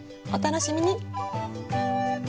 お楽しみに。